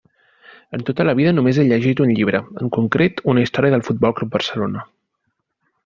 En tota la vida només he llegit un llibre, en concret una història del Futbol Club Barcelona.